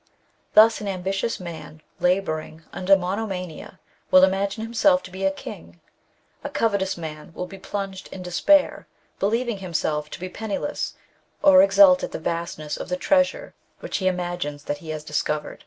Thus, an ambitious man labouring under monomania will imagine himself to be a king ; a covetous man will be plunged in despair, believing himself to be penniless, or exult at the vastness of the treasure which he imagines that he has discovered.